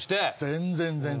全然全然。